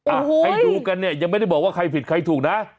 อ่ะให้ดูกันเนี่ยยังไม่ได้บอกว่าใครผิดใครถูกนะ